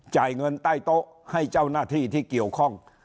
จ่ายเงินใต้โต๊ะให้เจ้าหน้าที่ที่เกี่ยวข้อง